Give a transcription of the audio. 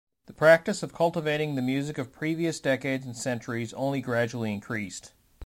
The practice of cultivating the music of previous decades and centuries only gradually increased.